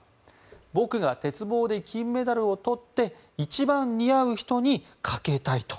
僕が鉄棒で金メダルを取って一番似合う人にかけたいと。